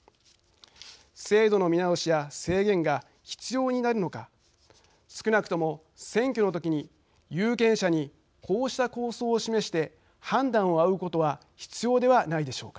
制度の見直しや制限が必要になるのか少なくとも選挙の時に有権者にこうした構想を示して判断を仰ぐことは必要ではないでしょうか。